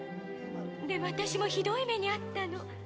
でも私もひどい目に遭ったの。